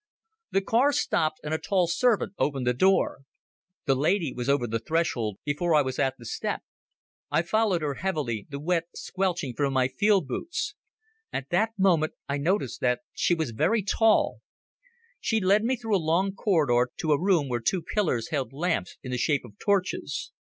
The car stopped and a tall servant opened the door. The lady was over the threshold before I was at the step. I followed her heavily, the wet squelching from my field boots. At that moment I noticed that she was very tall. She led me through a long corridor to a room where two pillars held lamps in the shape of torches.